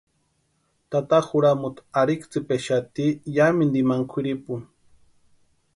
Tata juramuti arhitsʼïkpexati yámintu imani kwʼiripuni.